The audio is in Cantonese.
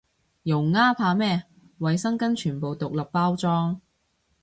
用啊，怕咩，衛生巾全部獨立包裝